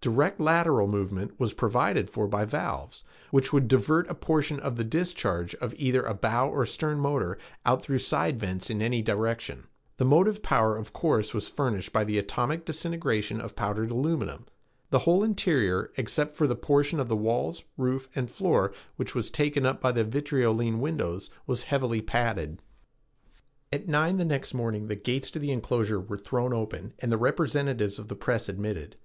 Direct lateral movement was provided for by valves which would divert a portion of the discharge of either a bow or stern motor out through side vents in any direction. The motive power, of course, was furnished by the atomic disintegration of powdered aluminum. The whole interior, except for the portion of the walls, roof and floor, which was taken up by vitriolene windows, was heavily padded. At nine the next morning the gates to the enclosure were thrown open and the representatives of the press admitted.